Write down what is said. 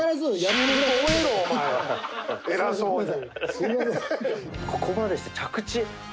すいません。